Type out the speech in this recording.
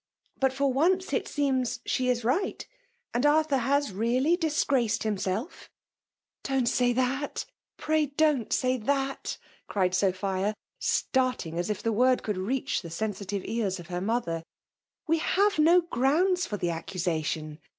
But for once, it seems^ she is right; and Arthur has really disgraced himself 1'* ''Don't say that — pray don't say that /" cried Sophia, starthig as if the word could reach fthe sensitive ears of her mother. We have no gi*o\mds for the accusation.